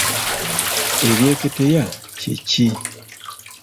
Ebyeketeya kye ki?